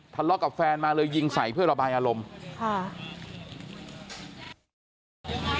ทะเลาะกับแฟนมาเลยยิงใส่เพื่อระบายอารมณ์ค่ะ